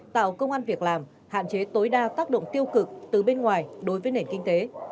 tạo công an việc làm hạn chế tối đa tác động tiêu cực từ bên ngoài đối với nền kinh tế